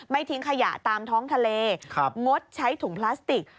ทิ้งขยะตามท้องทะเลงดใช้ถุงพลาสติก